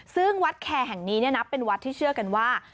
ซึ่งวัดแคร์แห่งนี้เป็นวัดที่เชื่อกันว่า